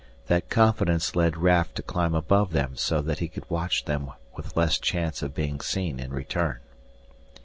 That confidence led Raf to climb above them so that he could watch them with less chance of being seen in return.